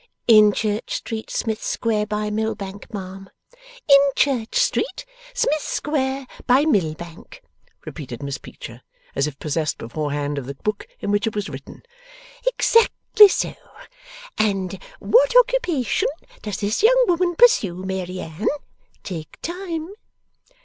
'In Church Street, Smith Square, by Mill Bank, ma'am.' 'In Church Street, Smith Square, by Mill Bank,' repeated Miss Peecher, as if possessed beforehand of the book in which it was written. Exactly so. And what occupation does this young woman pursue, Mary Anne? Take time.